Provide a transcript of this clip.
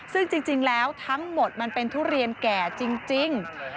ซึ่งจริงแล้วทั้งหมดมันเป็นทุเรียนแก่จริง